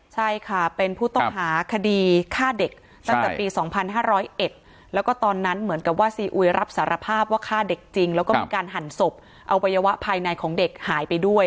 ใช่ค่ะเป็นผู้ต้องหาคดีฆ่าเด็กตั้งแต่ปี๒๕๐๑แล้วก็ตอนนั้นเหมือนกับว่าซีอุยรับสารภาพว่าฆ่าเด็กจริงแล้วก็มีการหั่นศพอวัยวะภายในของเด็กหายไปด้วย